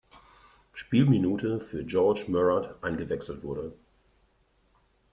Spielminute für George Mourad eingewechselt wurde.